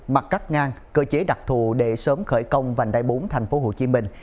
mặt cách ngang cơ chế đặc thù để sớm khởi công vành đai bốn thành phố hồ chí minh